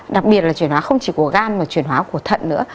đặc biệt là chuyển hóa không chỉ của gan mà chuyển hóa của thận nữa